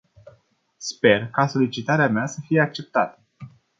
Sper ca solicitarea mea să fie acceptată.